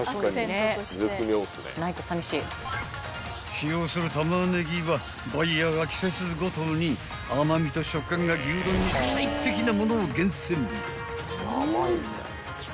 ［使用するタマネギはバイヤーが季節ごとに甘味と食感が牛丼に最適なものを厳選］